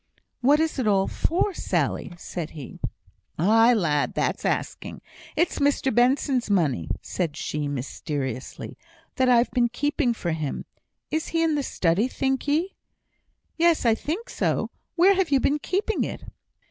"What is it all for, Sally?" said he. "Aye, lad! that's asking. It's Mr Benson's money," said she, mysteriously, "that I've been keeping for him. Is he in the study, think ye?" "Yes! I think so. Where have you been keeping it?"